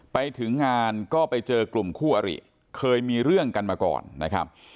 ไปถึงงานก็ไปเจอกลุ่มคู่อริเคยมีเรื่องกันมาก่อนนะครับ